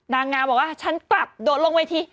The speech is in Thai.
นางงามบอกว่าฉันกลับโดดลงเวที